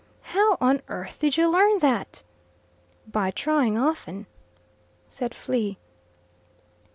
"How on earth did you learn that?" "By trying often," said Flea.